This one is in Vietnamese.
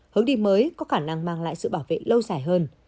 hướng đi mới có khả năng mang lại sự bảo vệ lâu dài hơn